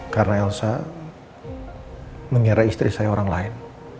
karena elsa mengira istri saya orang lain